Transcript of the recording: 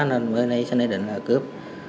nên mới lấy tiền tiêu xài để cướp